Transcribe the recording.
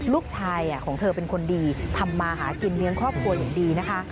ลูกชายของเธอเป็นคนดีทำมาหากินเลี้ยงครอบครัวอย่างดีนะคะ